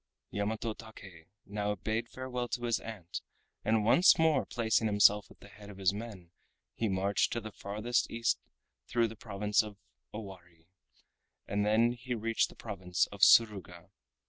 Yamato Take now bade farewell to his aunt, and once more placing himself at the head of his men he marched to the farthest East through the province of Owari, and then he reached the province of Suruga.